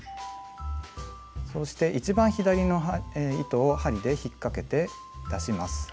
そして一番左の糸を針で引っかけて出します。